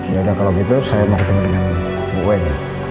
ya udah kalau gitu saya mau ketemu dengan gue ya